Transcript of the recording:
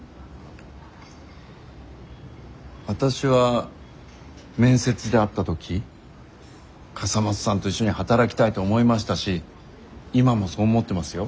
わたしは面接で会った時笠松さんと一緒に働きたいと思いましたし今もそう思ってますよ。